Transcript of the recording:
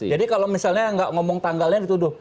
jadi kalau misalnya tidak ngomong tanggalnya dituduh